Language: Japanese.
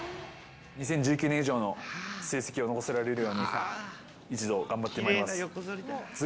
２０１９年以上の成績を残せられるように、一同頑張ってまいります。